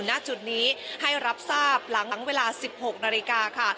ณจุดนี้ให้รับทราบหลังเวลา๑๖นาฬิกาค่ะ